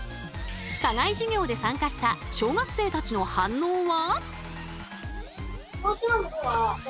課外授業で参加した小学生たちの反応は？